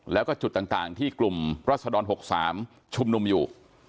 แล้วก็จุดต่างที่กลุ่มรัศดร๖๓ชุมนุมอยู่